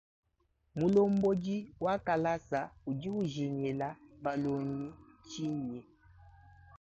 Mulombodi wa kalasa udi ujingila balongi tshinyi?